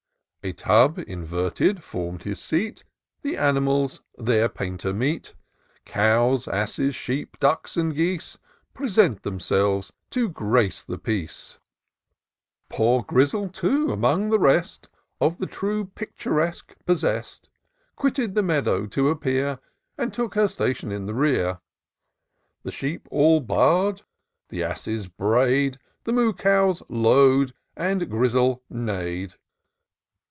A tub inverted, form'd his seat ; The animals their painter meet: Cows, asses, sheep, and ducks and geese, Present themselves, to grace the piece : Poor Grizzle, too, among the rest. Of the true Picturesque possest. Quitted the meadow to appear. And took her station in the rear : The sheep all baa'd, the asses bray'd. The moo cows low'd, and Grizzle neigh'd